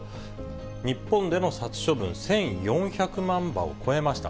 日本での殺処分、１４００万羽を超えました。